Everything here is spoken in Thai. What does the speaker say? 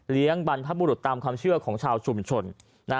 เลี้ยงบรรพบุรุษตามความเชื่อของชาวชุมชน